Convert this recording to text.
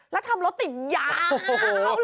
แล้วทำรถติดยาวเลย